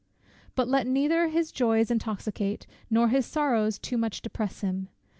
But let neither his joys intoxicate, nor his sorrows too much depress him.